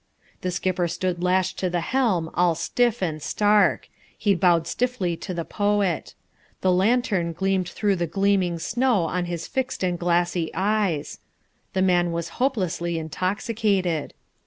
The skipper stood lashed to the helm all stiff and stark. He bowed stiffly to the poet. The lantern gleamed through the gleaming snow on his fixed and glassy eyes. The man was hopelessly intoxicated.